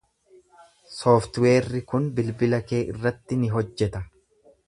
Sooftiweerri kun bilbila kee irratti ni hojjeta.